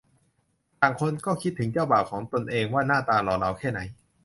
ต่างคนก็คิดถึงเจ้าบ่าวของตนเองว่าหน้าตาหล่อเหลาแค่ไหน